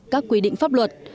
các quy định pháp luật